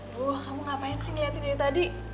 buah kamu ngapain sih ngeliatin dia tadi